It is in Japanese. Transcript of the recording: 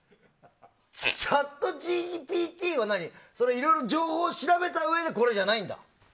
ＣｈａｔＧＰＴはいろいろ情報を調べたうえでこれじゃないんだ。